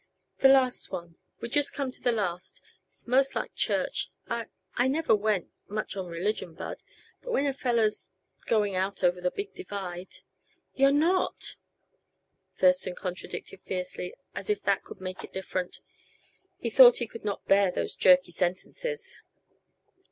"The last one we'd just come to the last. It's most like church. I I never went much on religion, Bud; but when a fellow's going out over the Big Divide." "You're not!" Thurston contradicted fiercely, as if that could make it different. He thought he could not bear those jerky sentences.